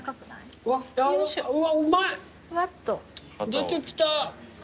出てきた。